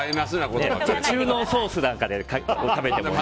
中濃ソースなんかで食べてもね。